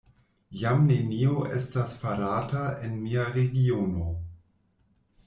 Jam nenio estas farata en mia regiono!